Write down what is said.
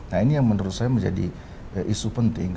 nah ini yang menurut saya menjadi isu penting